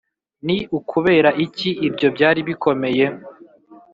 ni ukubera iki ibyo byari bikomeye